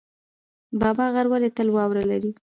بابا غر ولې تل واوره لري؟